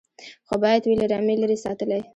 خو باید وي له رمې لیري ساتلی